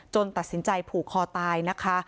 ตัดสินใจผูกคอตายนะคะ